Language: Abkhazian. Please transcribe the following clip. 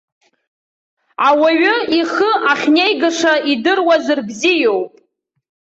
Ауаҩы ихы ахьнеигаша идыруазар бзиоуп.